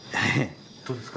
どうですか？